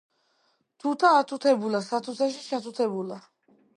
თუთა ათუთებულა სათუთეში ჩათუთებულა